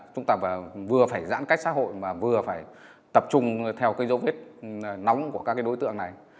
chúng ta vừa phải giãn cách xã hội mà vừa phải tập trung theo cái dấu vết nóng của các cái đối tượng này